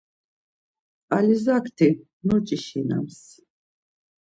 Alizakti nuç̌işinams.